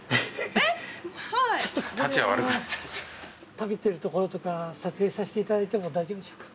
食べてるところとか撮影させていただいても大丈夫でしょうか？